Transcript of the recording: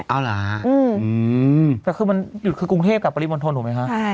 เอาเหรอครับอืมแต่คือกรุงเทพกับปริมณฑลถูกไหมครับ